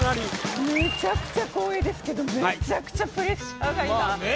めちゃくちゃ光栄ですけどめちゃくちゃプレッシャーが今。